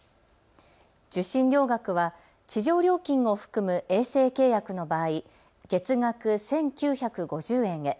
受信料額は地上料金を含む衛星契約の場合、月額１９５０円へ。